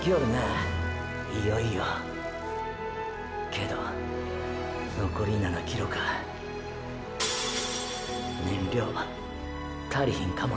けどのこり７ｋｍか燃料足りひんかもな。